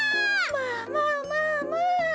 まあまあまあまあ。